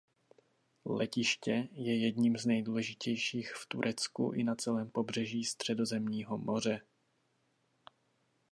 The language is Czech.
Letiště je jedním z nejdůležitějších v Turecku i na celém pobřeží Středozemního moře.